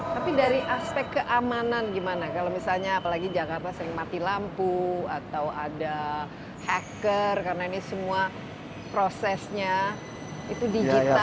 tapi dari aspek keamanan gimana kalau misalnya apalagi jakarta sering mati lampu atau ada hacker karena ini semua prosesnya itu digital